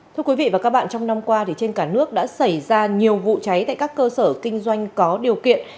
thưa quý vị và các bạn trong năm qua trên cả nước đã xảy ra nhiều vụ cháy tại các cơ sở kinh doanh có điều kiện